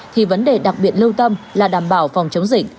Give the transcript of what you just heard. thì vấn đề đặc biệt lưu tâm là đảm bảo phòng chống dịch